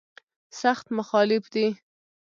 سخت مخالف دی.